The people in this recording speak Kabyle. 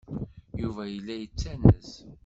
Yuba yella yettanez.